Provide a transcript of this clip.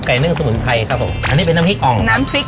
นึ่งสมุนไพรครับผมอันนี้เป็นน้ำพริกอ่องน้ำพริก